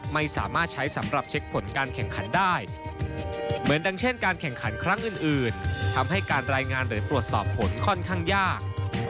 ไม่สามารถใช้สำหรับเช็คผลการแข่งขันได้เหมือนดังเช่นการแข่งขันครั้งอื่นทำให้การรายงานหรือตรวจสอบผลค่อนข้างยาก